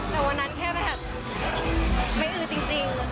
แต่วันนั้นแค่แบบไม่อือจริง